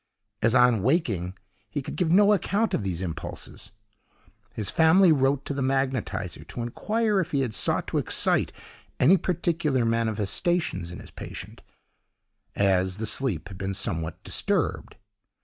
As, on waking, he could give no account of these impulses, his family wrote to the magnetiser to inquire if he had sought to excite any particular manifestations in his patient, as the sleep had been somewhat disturbed.